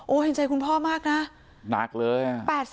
โอ้โหเห็นใจคุณพ่อมากน่ะนักเลย